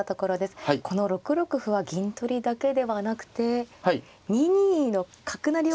この６六歩は銀取りだけではなくて２二の角成りを。